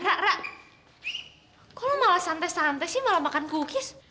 rak rak kok lo malah santai santai sih malah makan cookies